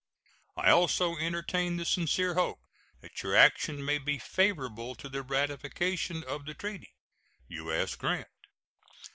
I also entertain the sincere hope that your action may be favorable to the ratification of the treaty. U.S. GRANT.